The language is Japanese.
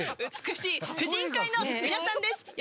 美しい婦人会の皆さんです。